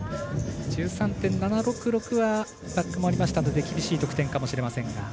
１３．７６６は落下もありましたので厳しい得点かもしれませんが